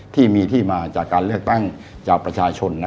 ที่มีที่มาจากการเลือกตั้งจากประชาชน